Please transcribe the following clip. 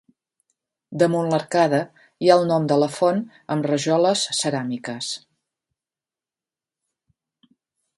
Damunt l'arcada hi ha el nom de la font amb rajoles ceràmiques.